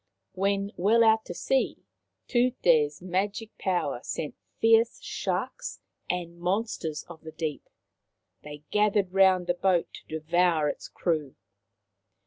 When well out to sea Tute's magic power sent fierce sharks and monsters of the deep. They gathered round the boat to devour its crew.